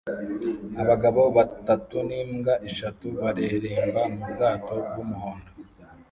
Abagabo batatu n'imbwa eshatu bareremba mu bwato bw'umuhondo